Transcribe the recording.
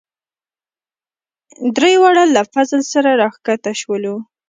دریواړه له فضل سره راکښته شولو.